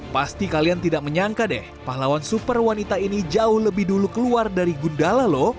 pasti kalian tidak menyangka deh pahlawan super wanita ini jauh lebih dulu keluar dari gundala loh